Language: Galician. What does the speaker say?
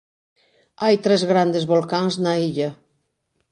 Hai tres grandes volcáns na illa.